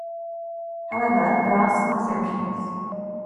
However, there are some exemptions.